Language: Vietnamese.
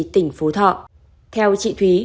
tỉnh phú thọ theo chị thúy